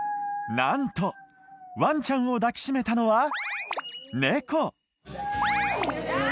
何とワンちゃんを抱きしめたのはネコ